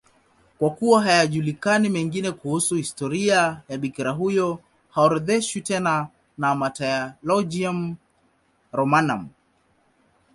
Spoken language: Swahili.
Kwa kuwa hayajulikani mengine kuhusu historia ya bikira huyo, haorodheshwi tena na Martyrologium Romanum.